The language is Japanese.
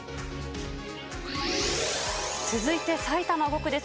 続いて埼玉５区です。